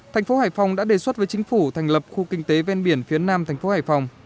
thành phố hải phòng đã đề xuất với chính phủ thành lập khu kinh tế ven biển phía nam thành phố hải phòng